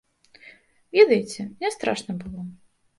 Ведаеце, не страшна было.